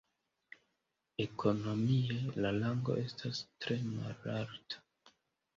Ekonomie la rango estas tre malalta.